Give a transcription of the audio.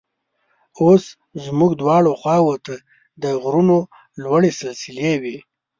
اوس زموږ دواړو خواو ته د غرونو لوړې سلسلې وې.